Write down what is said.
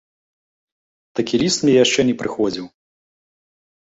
Такі ліст мне яшчэ не прыходзіў.